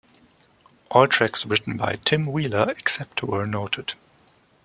All tracks written by Tim Wheeler except where noted.